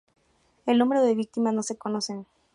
El número de víctimas no se conoce.